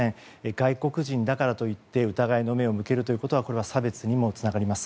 外国人だからといって疑いの目を向けるということはこれは差別にもつながります。